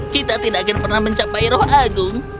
kita tidak akan pernah mencapai roh agung